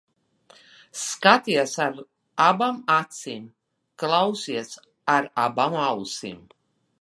Skaties ar abām acīm, klausies ar abām ausīm.